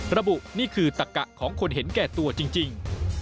ระบุนี่คือตะกะของคนเห็นแก่ตัวจริง